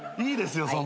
いいですよ